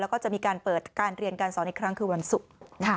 แล้วก็จะมีการเปิดการเรียนการสอนอีกครั้งคือวันศุกร์